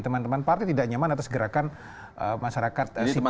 teman teman partai tidak nyaman atas gerakan masyarakat sipil